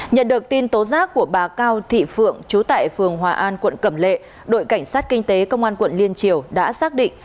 nhận được tin tố giác của bà cao thị phượng chú tại phường hòa an quận cẩm lệ đội cảnh sát kinh tế công an quận liên triều đã xác định